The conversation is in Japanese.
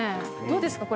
どうですか？